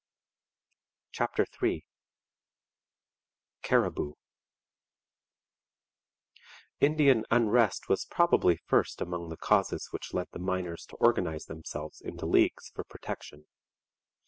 CHAPTER III CARIBOO Indian unrest was probably first among the causes which led the miners to organize themselves into leagues for protection.